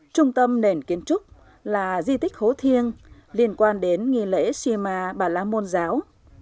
trung tâm nền kiến trúc là di tích hố thiêng liên quan đến nghi lễ shema bà la môn giáo